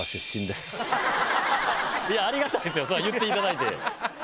ありがたいですよ言っていただいて。